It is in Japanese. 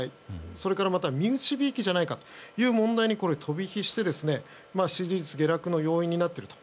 それからまた身内びいきじゃないかという問題に飛び火して、支持率下落の要因になっていると。